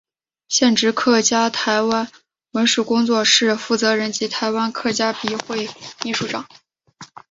现职客家台湾文史工作室负责人及台湾客家笔会秘书长。